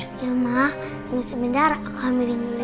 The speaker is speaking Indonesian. ya emang tunggu sebentar aku ambilin dulu ya